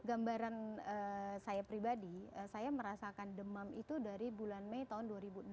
gambaran saya pribadi saya merasakan demam itu dari bulan mei tahun dua ribu enam